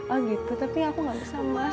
oh gitu tapi aku gak bisa mas